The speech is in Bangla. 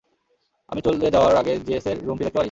আমি চলে যাওয়ার আগে জেসের রুমটি দেখতে পারি?